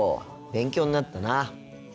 勉強になったな。